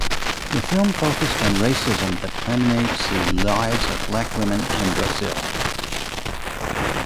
The film focused on racism that permeates the lives of black women in Brazil.